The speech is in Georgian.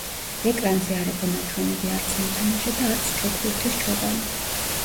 ეკრანზე არ იყო ნაჩვენები არც მოთამაშე და არც ჩოგბურთის ჩოგანი.